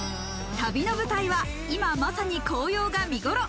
旅の舞台は今まさに紅葉が見ごろ。